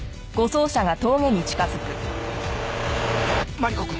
マリコ君。